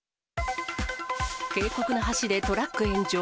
渓谷の橋でトラック炎上。